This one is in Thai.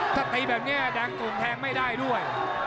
ถ้าตีแบบนี้แดงโก่งแทงไม่ได้ด้วย